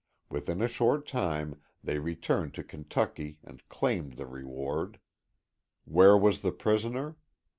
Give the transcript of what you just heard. Within a short time they returned to Kentucky and claimed the reward. Where was the prisoner?